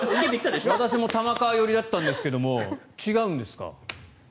私も玉川寄りだったんですが違うんですか。